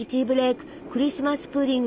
クリスマス・プディング